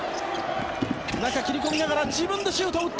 中、切り込みながら自分でシュートを打った。